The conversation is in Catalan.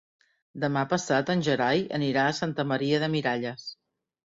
Demà passat en Gerai anirà a Santa Maria de Miralles.